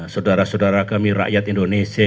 saudara saudara kami rakyat indonesia